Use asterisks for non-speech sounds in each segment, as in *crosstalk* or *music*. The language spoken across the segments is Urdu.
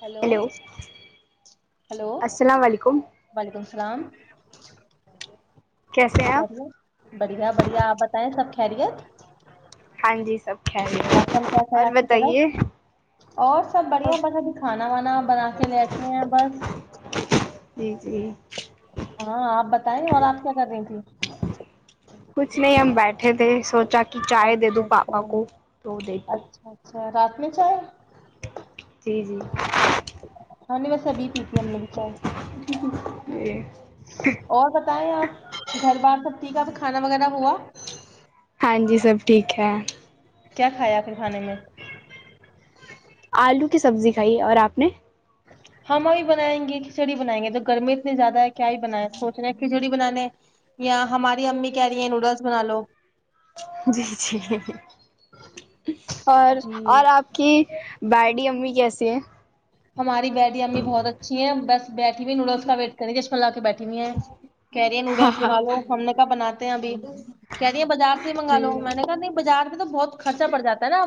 ہیلو *unintelligible* ہلو السلام علیکم وعلیکم السلام *inaudible* کیسے سب ہیں خ آپ ہے بڑھیا بڑھیا آپ بتائیں سب خیرییات *unintelligible* ہاں جی سب *unintelligible* موسم خیریت کیاس ہے اور آپ کی بتائیے طرف اور سب بڑھیا بناا بھی کھانا کھانا وانا بنا کے لیٹے ہیں بس جٹھ ج جی *unintelligible* ہاں آپ بتائیں اور آپ کیا کر رہی تھی کچھ نہیں ہم بیٹھے تھے سوچا کہ چائے دے دوں اچھا پاپا کو تو دے د چ رات میں چائے جی ہم نہیں بس ابھی پیتی ہے ہم نے جی اور بتائے آپ گھر بار سب ٹھیک اب کانا وغیرہ ہوا ہاں جی سب ٹھیک ہے *unintelligible* کیا کھایا پھر کھانے میں آلو کی سبزی کھائی اور آپ نے ہم ابھی بنائیں گے کھچڑی بنائیں گے تو گرمی اتنی زیادہ ہے کیا ہی بنائیں سوچنےے ہیں کھچڑی بنانے یا ہماری امی کہہ رہی ہیں نوڈلس بنا لو جی جی *unintelligible* اچ *unintelligible* اور جی اور آپ کی بیڈی امی کیسی ہیں ہماری بیڈی امی بہت اچھی بس بیٹھی ہوئی نوڈلس کا ویٹ کریں چشمہ لا کے بیٹھی بھیئی ہے کیری نوڈلس بنا لو ہم نے کب بنای بھی *unintelligible* کہہ دے بازار سے ہی منگا لو میں جی نے کہا نہیں بازار پہ تو بہت خرچہ پڑ جا ہے نا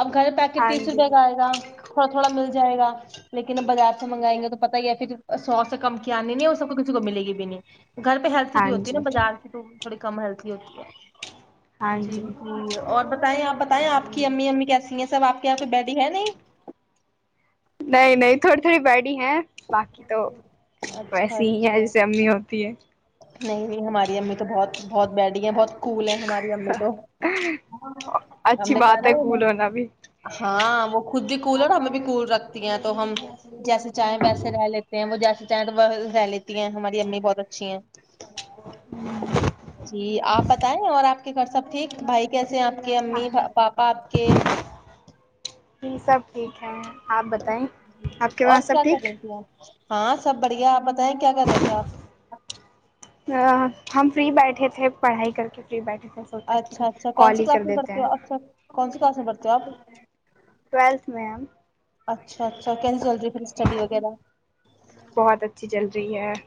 اب گھر پیکٹ ہاں تیس جی روپئے کا آئے گا تھوڑا تھوڑا مل جائے گا لیکن اب بازار سے ہاں جی منگائیں گے ہاں تو جی پت ہی ہے پھر سوس کمک آنی ن، اور سب کو کچ ک ملے گی بھی نہیں گھر پہ ہیلتھی ہاں بھی ہوتی جی ہے نا بازار کی تو تھوڑی کم ہیلت ہوتی ہے جی جی اور بتائے آپ بتیں آپ کے امی امی کیسی ہیں سب آپ کے یہاں کوئی بیڈی ہے نہیں نہیں نہیں تھوڑی تھوڑی بیٹ ہیں باقی تو اچھا ویسی ہی ہے اچھا جیسے امی ہوتی ہے نہیں ہماری امی تو بہت بہت بیٹڈی ہیں بہت اسکول ہے ہماری امی تو اچھی امی بات ہے تونا کول ہونا بھی ہاں وہ خود بھی کول ہے ہمیں بھی کول رکھتی ہیں تو ہم جیسے چائےیں ویسے رہ لیتے ہیں وہ جیسے چائے رہ لیتی ہیں ہماری امی بہت اچھی ہیں جی آپ بتائیں اور آپ کے گھر سب ٹھیک بھائی کیسے ہیں آپ کے ہاں امی پاپا آپ کے ج سب ٹھیک ہے آپ بتائیں آپ کے اور وہاں سب کیا کر ٹھیک رہی تھی آپ ہاں سب بڑھیا ب بت کیا کر رہے تھے آپ *unintelligible* ہم فری بیٹھے تھے پڑھائی کر کے فری بیٹھے تھے سوچا کہ اچھا اچھا کون کال سی ہی کلاس کر میں پڑھ دیتے ہیں ہو اچھا کون سی کلاس میں پڑھتے ہو ٹویلتھ میں ہم آپ اچھا اچھا کیسے چل رہی پھر اسٹڈی وغیرہ ش ہے *unintelligible*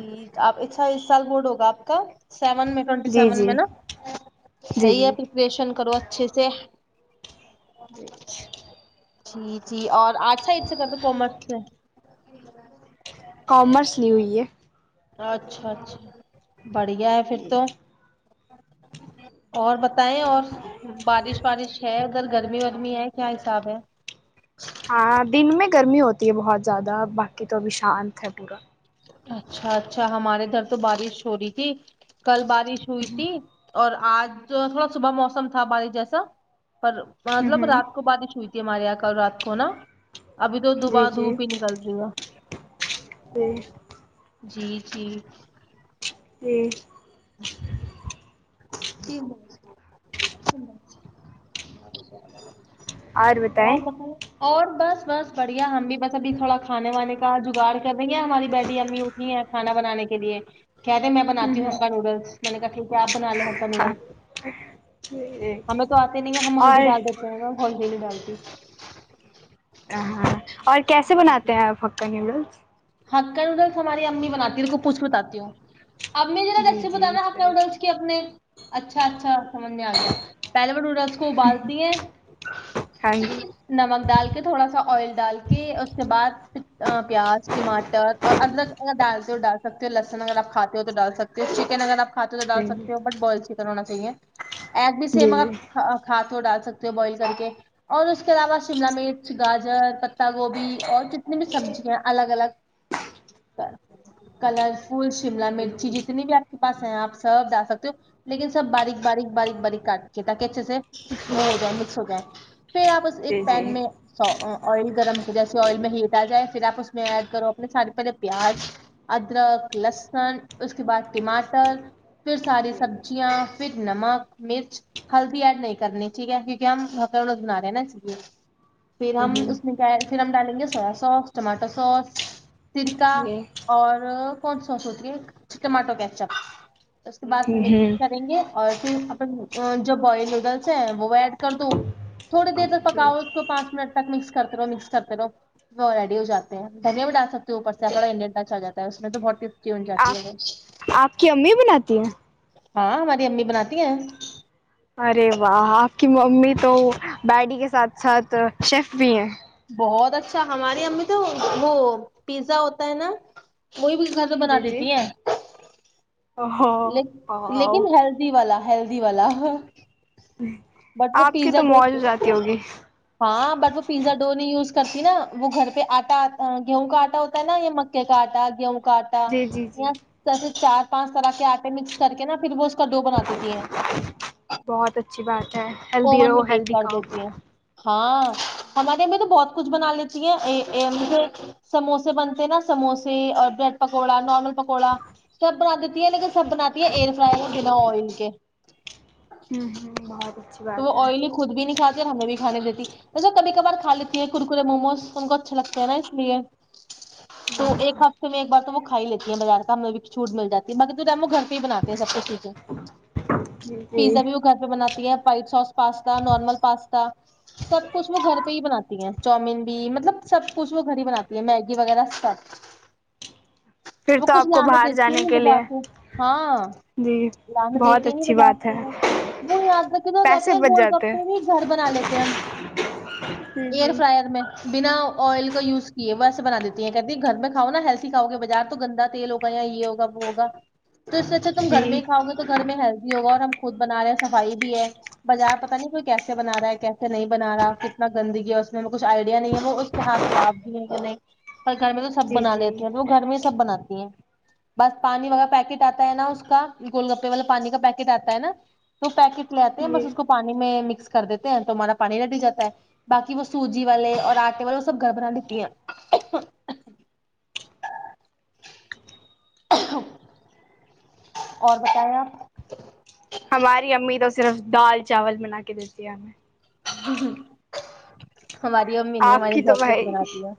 ج آپ اچھا اس سال بورڈ ہوگا آپ کا سیون میں ٹوینٹی جی سیون میں جی نا جی صحیح ہے جی پپریشن کرو اچھے سے جی جی جی اور اچھا اھا کر تو کومر سے ج *inaudible* کامرس نہیں ہوئی ہے اچھا اچھا بڑھیا ہے پھر جی تو اور بتائیں اور بارش وارش ہے *unintelligible* ادھر گرمی ورمی ہے کیا حساب ہے *unintelligible* ہاں دن میں گرمی ہوتی *unintelligible* بہت *inaudible* زیادہ بقی کا ابش *unintelligible* شانت ہے پورا *unintelligible* اچھا اچھا ہمارے ادھر تو بارش ہو رہی تھی *unintelligible* کل بارش ہوئی تھی اور *unintelligible* آج جو تھوڑا صبح موسم تھا بارش جیسا *unintelligible* پر ہوں مطلب ہوں رات کو بع ہی چوئی *unintelligible* ہمارے یہاں کل رات کو نا *unintelligible* ابھی تو جی دباں جی دھوپ ہی نکل رہی ہے جی *unintelligible* جی جی *unintelligible* ہوں *unintelligible* *inaudible* اور بتائیں *unintelligible* اور بس بس بڑھیا ہم بھی بس ابھی تھوڑا کھانے وانے کا جگاڑ کر رہی ہیں ہماری بیڈی امی اٹھی ہیں کھانا بنانے کے لیے *unintelligible* کیاتےے میں بناتی ہوں ہکا نوڈلس میں نے کہا ٹھیک ہےپ ہاں اور *unintelligible* ہ ڈ *inaudible* نہیں ڈالتی *inaudible* ہ ہاں اور کیسے بناتے ہیں آپ ہکا نیوڈل *unintelligible* ہکن ادھر ت ہماری امی بناتی ہے کو پوھ بتاتی ہوں *unintelligible* اب مجھے نا جی ریسیپ جی بتانا ہ ضرور نوڈلس کے اپنے *unintelligible* اچھا اچھا *unintelligible* سمج میں آ گیا پہلے وہ نوڈلس کو ابالتی ہیں ہاں جی نمک ڈال کے تھوڑا سا آئل ڈال کے اس کے بعد *unintelligible* ا پیاز *unintelligible* ٹماٹر اور ادرک اگر ڈالتے ہو ڈال سکتے ہو لسن اگر آپ کھاتے ہو تو ڈال سکتے ہو چکن اگر آپ *unintelligible* ہاتھ تو ڈال جی سکتے ہو بوائل اھی کر ہونااہے *unintelligible* ایک بھی سیم جی آپ کاتو ڈال سک *unintelligible* بوائل کر کے اور *unintelligible* آواز سیملہ مچ *unintelligible* گاجر پتہ گوبھی اور جتنی بھی سبزی ہیں الگ الگ *unintelligible* کلر فل شملہ مرچی جتنی بھی آپ کے پاس ہے آپ سب ڈال سکتے ہو لیکن سب باریک باریک باریک باریک کاٹ کے تاکہ اچھے سے وہ ہو جائے مکس ہو جائے *unintelligible* پھر آپ اس ایک جی پین میں س *unintelligible* آئل گرم کر جیسے آئل میں ہیٹ آ جائے پھر آ اس میں ایڈ کرو اپنے سارے پہلے پیاز ادرک لسن اس کے بعد ٹماٹر پھر ساری سبزیاں پھر نمک مرچ ہلدی ایڈ نہیں کرنی ٹھیک ہے کیونکہ ہم ب بنا رہے ہیں نا اسے پھر جی ہم جی اس نے کیا *unintelligible* پھر ہم ڈالیں گے سویا ساس ٹماٹر سوس سرکا جی اور کون سوس ہوتی ہے ٹماٹو کیچپ اس کے بعد ہ ہ مکس ہ کریں گے *unintelligible* اور پھر اپ جو بوائل نوڈلس ہیں وہ ایڈ کر دو تھوڑی دیر تک پکاؤ اس کو پانچ منٹ تک مکس کرتے رہو مکس کرتے رہو وہ ریڈی ہو جاتے ہیں دھگ میں بھی ڈال سکتی ہیںوںوپر سےیاسڑا انڈین ڈانچا جاتا ہے میں تو بہتٹسٹی ہو جاتی آپ ہے وہ آپ کی امی بناتی ہیں *unintelligible* ہاں ہماری امی بنااتی ہیں *unintelligible* ارے واہ آپ کی ممی تو بیڈی کے ساتھ ساتھ شیف بھی ہیں بہت اچھا ہمارے ہم میں تو وہ پیزا ہوتا ہے نا وہی ب گا تو بنا جی جی دیتی ہیں *unintelligible* او لیکن ہیلدی والا ہیلدی والا بٹ وہ آپ کی پیزا تو ڈ موج ہو جاتی ہوگی ہاں بٹ وہ پیا ڈ نہیں یوز کرتی نا وہ گھر پہ آٹا گیہوں کا آٹا ہوتا ہے نا یا مکے کا آٹا گیہوں کا کاٹا جی جی جی یا س *unintelligible* چار پانچ طرح کے آٹے مکس کر کے نا پھر وہ کا ڈو بنا دیتی ہیں بہت اچھی بات ہے *unintelligible* ہیلدی اوون رہو میں بیک ہیلدی کر کھاؤ *unintelligible* دیتی ہیں ہاں ہمارے میں نا بہت کچھ بنا لیتی ہیں مجھے سموسے بنتے ہیں نا سموسے اور بریڈ پکوڑا نارمل پکوڑا سب بنا دیتی ہے لیکن سب بنااتتی ہے ایر فرائی بنا ائل کے ہوں ہ بار تو وہ آئلی خود بھی *unintelligible* کھات اور ہمیں بھی کھانے دیتیسے کبھی کبار کھ لیتی ہیں کرکرے موموز س ہم کو اچھا لگتا ہے نا اس لیے تو ایک ہفتے میں ایک بار تو وہ لیتی ہیں بازار کا ہمیں چوٹ مل جی ہے باق تو رمو گھر بناتے ہیں سب کو چیزیں جی جی پیزا بھی وہ گھر پہ بناتے *unintelligible* ت *unintelligible* white sauce pasta normal pasta سب کچھ وہ گھر پہ ہی بناتی ہیں چامین بھی مطلب سب کچھ وہ گھر ہی بناتی ہیں میگی وغیرہ سب پھر وہ تو کچھ آپ کو لانے باہر دیتی جانے نہیں کے لیے بجاتے ہاں جی لانے بہت دیتی نہیں اچھی بات ہے بجاتے وہ یاد رکھ *inaudible* کہتے پیسے ہیں بچ گول جاتے ہیں گپے بھی گھر بنا لیتے ہیں ہم ایئر جی فرائر میں بنا آئل کا یوز کیے وہ ایسے بنا دیتی ہیں کہتی ہیں گھر میں کھاؤ نا ہیلدی کاؤ گے بازار تو گندا تیل ہوگا یا یہ ہوگا وہ ہوگا تو اس سے اچھ تم گھر میں جی ہی کاؤ گے تو گھر میں ہیلدی ہوگا اور ہم خود بنا رہے ہیں صفائی بھی ہے بازار پتہ نہیں کوئی کیسے بنا رہا ہے کیسے نہیں بنا رہا کتنا گندگی ہے اس میں کچھ آئیڈیا نہیں ہے وہ اس کے ہاتھ صاف بھی ہیں کہ نہیں پر گھر میں تو سب جی بنا جی لیتی ہیں تو وہ گھر میں ہی سب بناتی ہیں بس پانی جی وغیرہ پیکٹ آتا ہے نا اس کا گول گپے والا پانی کا پیکٹ آتا ہے نا تو پیکٹ میں بس جی اس کو پانی میں مکس کر دیتے ہیں تو مانا پانی ڈ دی جاتا ہے باقی وہ سوجی والے اور آٹے والے وہ سب گھر بنا لیتی ہیں *inaudible* اور بتائیں آپ ہماری امی تو صرف دال چاول بنا کے دیتی ہے ہمیں ہ ہ *unintelligible* ہماری امی آپ ہمارے کی لیے تو بہت کچھ بھائی بنا د ہے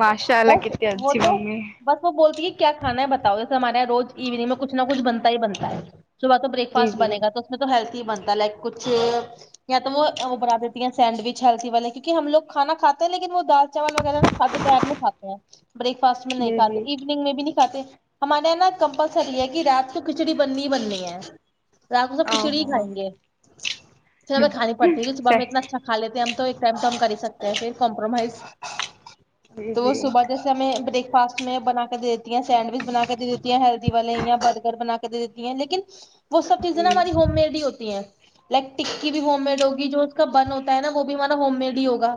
ماشاء اللہ بس کتنی وہ اچھی تو ممی ہے بس وہ بولتی ہے کیا کھا ہے بتاؤ جیسے ہمارے یہاں روز ایوننگ میں کچھ نہ کچھ بنتا ہی بنتا ہے صبح تو بریک جی فاسٹ جی بنے گ تو اس میں تو ہیلتھ بنتا لائک کچھ *inaudible* یا تو وہ بنا دیتی ہیں سینڈوچ ہلسی والے کیونکہ لو کھانا کھے ہیں لیکن وہ دال چاول وغیرہ نہ کھادو پیر میں کھے ہیں بریک فاسٹ میں جی نہیںھاتے جی ایوننگ میں بھی نہیں کھاتے ہمارے یہ نا کمپل سری ہے کہ رات کو کچ کچھڑی بننی بننی ہے رات میں تو او کھچڑی ہی ہو کھائیں گے س میں کھانی پڑتی ہے صبح میں صحیح اتنا اچھا لیتے *inaudible* ہم تو ایک ٹائم تو کم کر ہی سکتے ہیں پھر کمپرومائز جی تو وہ جی صبح جیسے ہمیں برک فاسٹ میں بنا کےے دیتی ہیں سینڈوچ بنا کے دے دیتی ہیں ہیلدی والے یا برگر بنا کے دے دیتی ہیں لیکن وہ سب چیزیں جی نا ہماری ہوم میڈ ہی ہوتی ہیں لیکٹک کی بھی ہوم میڈ ہوگی جو اس کا بن ہوتا ہے نا وہ بھی ہمارا ہوم میڈ ہی ہوگا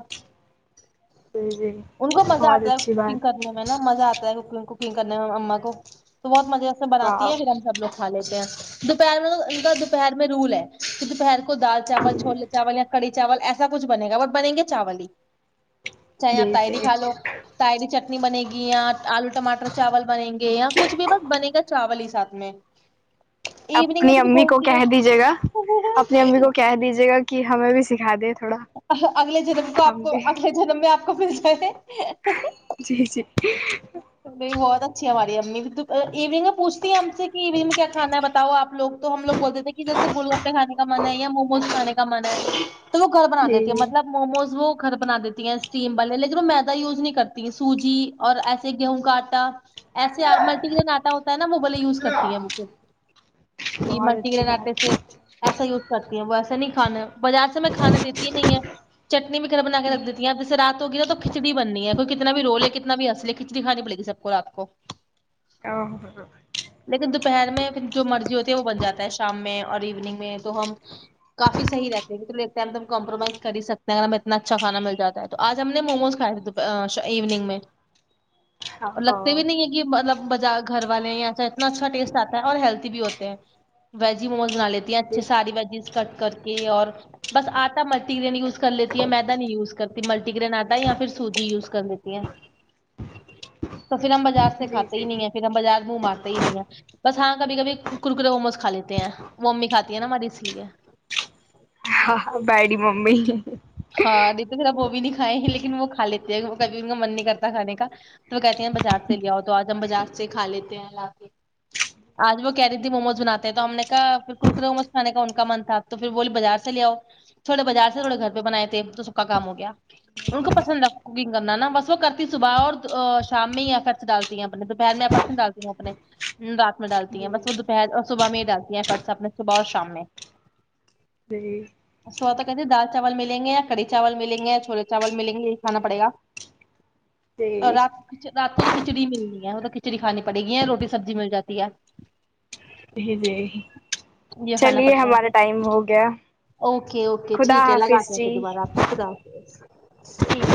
جی جی ان کو مزہ بہت آتا ہے اچھی کوکنگ بات کرنے میں نا مزہ آتا ہے کوکنگ کرنے مما کو تو بہت مزے سے بنات ہے واہ ہیں پھر ہم سب لوگ *unintelligible* لیتے ہیں دوپہر میں ان کا دوپہر میں رول ہے تو دوپہر کا کوئی دال چاول چھولے چاول یا کڑی چاول ایسا کچھ بنے گا اور بنیں گے چاول ہی چاہے آپ جی تائری جی کھا لو تائری چ پٹنی بنے گی اں آلو ٹاٹر چاول بنےیں گی یا کچھ بھی بس بنے گا چاول ہی ساتھ میں *unintelligible* میں اپنی پھر امی کو بولتی ہیں کہہ دیجیے گا اپ اپنی امی کو کہہ دیجیے گا کہ ہمیں بھی سکھا دے تھوڑا اگلے جنم کو آپ ہم کو بھی اگلے جنم میں آپ کو ب کیسے *unintelligible* جی جی نہیں *unintelligible* بہت اچھی ہے ہماری امی بھی تو ایونگ میں پوچتی ہم سے *unintelligible* ی میں کیا کھانا بتاؤ آ لوگ تو ہم لو بولتے تھے جیسے گول گپے کھے کا من ہے یا موموز کھے کا ک منا تو *unintelligible* گھر بنا دیتی جی ہیں جی مطلب موموز وہ *unintelligible* ھر بنا دیتی ہیں اسٹیم والے لیکن وہ میدا یوز نہیں کرتی ہیں سوجی اور ایسے گیہوں کا آٹا ایے ملٹی گن ہوتا ہے نا وہ بلے یوز کرتی ہے وہ پھر کہ بہت ملٹی اچھی گن آٹ بات سے ایسا یوز کرتی ہیں وہ ایسا نہیں کھانا بازار سے میں کھانے دیتی ہی نہیں ہے چٹنی بھی کرا بنا کے رکھ دیتی ہیں جیے رات ہوگی نا تو کھچڑی بننی ہے کوئی کتنا بھی رول ہے کتنا بھی اصل ہے کھچی کھانی پڑےی سب کو رات کو ا *unintelligible* لیکن دوپہر میں جو مرضی ہوتی ہے وہ بن جاتا ہے شام میں اور ایوننگ میں تو ہم کافی صحی رہتے ہیں کہ تو ہم کمپرومائز کر سکتے ہیں ا ہم انا اچھا کھا مل جا ہے تو آج ہمیں نے موموز کھائے تھ ایوننگ میں اور لگتے بھی اوہ نہیں ہے کہ مطلب ب گھر والے ہیں ایسا اتنا اچھا ٹیسٹ آتا ہے اور ہیلدی بھی ہوتے ہیں ویج ی مموز بنا لیتی ہیں اچھے جی ساری وجیز کٹ کر کے اور ہ *unintelligible* بس آتا متی دنےی اس کو کر لیتی ہے م میںیدہ نہیں یز کر ملٹی گرین آتا ہے یا پھر سوجی یوز کر دیتی ہیں پھر ہم بازار سے جی کاتے ہی جی نہیں ہے پھر ہم بازار منہ مارتا ہی نہیں ہے بس ہاں کبھی کبھی ککرے موموز کھا لیتے ہیں وہ ممی کھاتی ہیں نا ہماری اس لیے ہاں بیڈی ممی ہاں د تو پھر آپو بھی نہیں کھائے لیکن وہ کھا لیتی ہیں کبھی ان کا من نہیں کرتا کھانے کا تو وہ کہتی ہیں بازار سے لے آؤ تو آج ہم بازار سے کھ لیتے ہیں کے آج وہ کہہ رہی تھی موموز بناتے ہیں تو ہم نے کہا پھر کرکر موموز کھانے کا ان کا من تھا تو پھر بولی بازار سے لے آؤ تھوڑے بازار سے تھوڑے گ ب سا کام ہو گیا ان کو پسند آ کوکنگ کرنا نا بس وہ کرتی صبح اور شام میں ہیرٹس ڈالتی ہیں دوپہر میں ایس ڈالتی ہوں اپنے رات میں ڈالتی ہیں بس وہر اور صبح میں ہی ڈالتی ہیںرٹسنے صبح اور شام جی میںال چاول ملیں گے یا کڑی چاول ملیں گے یا چھولے چاول ملیں گے یہی کھانا پڑ گا اور جی رات رات کو تو کھچڑی ملنی ہے اھر کھچڑی کھانی پڑے گی روٹی سبزی مل جاتی ہے جی یہ کھانا چلیے پڑتا ہے ہمارا پھر ٹائم ہو گیا خدا حاف لگاتےتے سے دوبارہ آپ کو خداتے اچھ ٹھیک